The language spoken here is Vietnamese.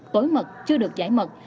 tối mật chưa được giải mật